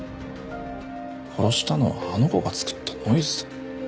殺したのはあの子が作ったノイズだ。